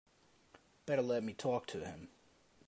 Better let me talk to him.